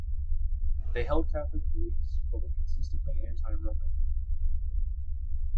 They held Catholic beliefs but were consistently anti-Roman.